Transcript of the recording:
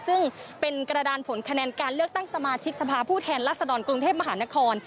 ซึ่งเป็นกระดานผลคะแนนการเลือกตั้งสมาชิกสภาพผู้แทนรัศดรกรุงเทพมหานคร